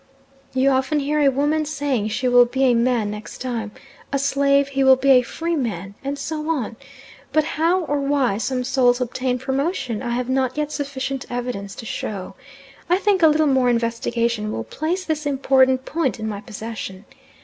You often hear a woman saying she will be a man next time, a slave he will be a freeman, and so on, but how or why some souls obtain promotion I have not yet sufficient evidence to show. I think a little more investigation will place this important point in my possession.